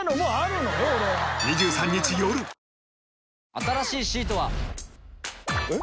新しいシートは。えっ？